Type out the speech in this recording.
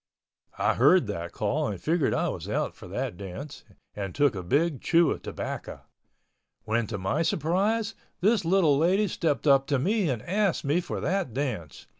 I heard that call and figured I was out for that dance—and took a big chew of tobacco—when to my surprise this little lady stepped up to me and asked me for that dance.